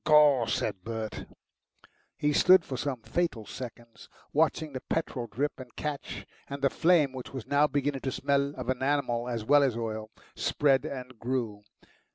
"Gaw!" said Bert. He stood for some fatal seconds watching the petrol drip and catch, and the flame, which was now beginning to smell of enamel as well as oil, spread and grew.